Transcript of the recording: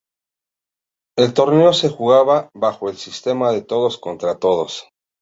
El torneo se jugaba bajo el sistema de todos contra todos.